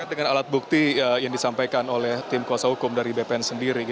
dengan alat bukti yang disampaikan oleh tim kuasa hukum dari bpn sendiri